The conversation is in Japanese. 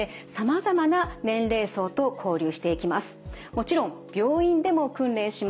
もちろん病院でも訓練します。